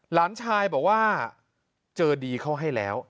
หลานชายบอกว่าเจอดีเขาให้แล้ว